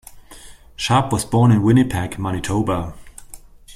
Sharp was born in Winnipeg, Manitoba.